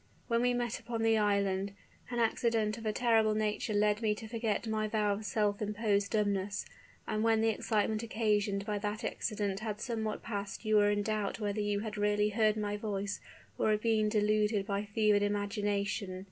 When we met upon the island, an accident of a terrible nature led me to forget my vow of self imposed dumbness; and when the excitement occasioned by that accident had somewhat passed you were in doubt whether you had really heard my voice or had been deluded by fevered imagination.